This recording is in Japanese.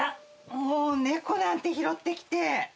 もう猫なんて拾ってきて。